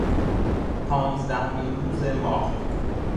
پانزدهمین روز ماه